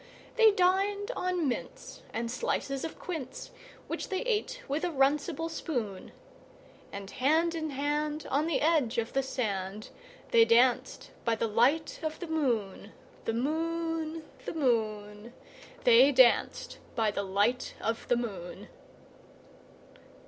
They dined on mince and slices of quince, Which they ate with a runcible spoon; And hand in hand, on the edge of the sand, They danced by the light of the moon, The moon, The moon, They danced by the light of the moon.